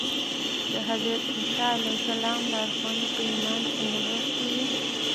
د حضرت عیسی علیه السلام لارښوونې په ایمان کې نغښتې وې